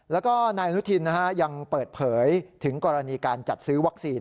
แล้วก็นายอนุทินยังเปิดเผยถึงกรณีการจัดซื้อวัคซีน